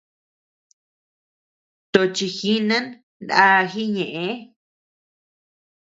Tochi jinan naa jiñeʼë.